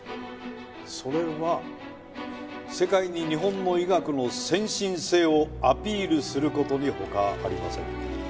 それは世界に日本の医学の先進性をアピールする事に他ありません。